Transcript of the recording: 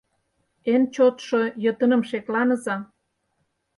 Эн чотшо йытыным шекланыза...